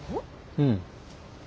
うん。